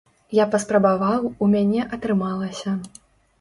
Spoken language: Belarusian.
Я паспрабаваў, у мяне атрымалася.